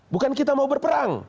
bukan kita mau berperang